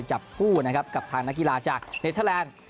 จับคู่นะครับกับทางนักกีฬาจากเนเทอร์แลนด์